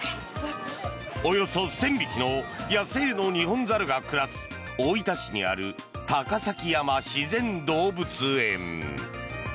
およそ１０００匹の野生のニホンザルが暮らす大分市にある高崎山自然動物園。